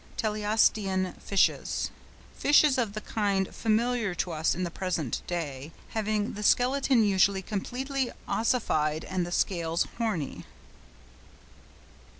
TELEOSTEAN FISHES.—Fishes of the kind familiar to us in the present day, having the skeleton usually completely ossified and the scales horny.